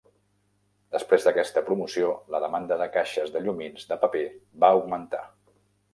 Després d"aquesta promoció, la demanda de caixes de llumins de paper va augmentar.